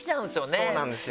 そうなんですよ。